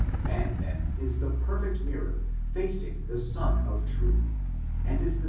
Man then is the perfect mirror facing the Sun of Truth, and is the centre of 1 i.